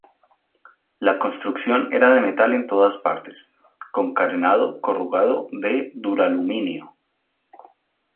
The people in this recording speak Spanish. La construcción era de metal en todas partes, con carenado corrugado de duraluminio.